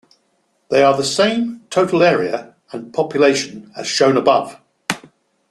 They are the same total area and population as shown above.